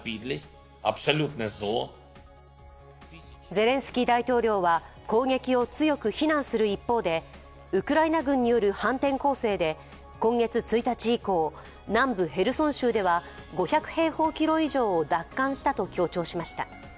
ゼレンスキー大統領は攻撃を強く非難する一方でウクライナ軍による反転攻勢で今月１日以降、南部ヘルソン州では５００平方キロ以上を奪還したと強調しました。